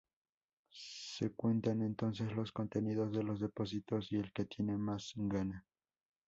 Se cuentan entonces los contenidos de los depósitos y el que tiene más, gana.